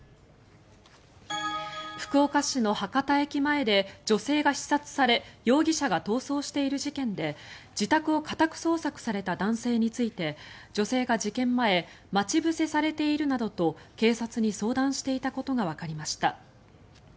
福岡市の博多駅前で女性が刺殺され容疑者が逃走している事件で自宅を家宅捜索された男性について女性が事件前待ち伏せされているなどと警察に相談していたことがわかりました。